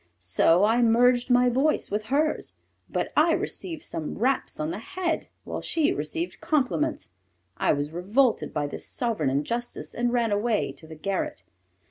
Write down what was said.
So I merged my voice with hers, but I received some raps on the head while she received compliments. I was revolted by this sovereign injustice and ran away to the garret.